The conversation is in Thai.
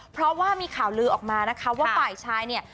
เพราะว่ามีข่าวลือออกมานะคะว่าฝ่ายชายเนี่ย